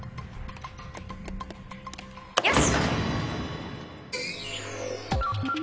よし！